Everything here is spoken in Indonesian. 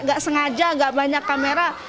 nggak sengaja nggak banyak kamera